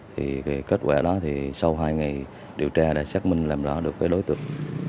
thì cái kết quả đó thì sau hai ngày điều tra đã xác minh làm rõ được cái đối tượng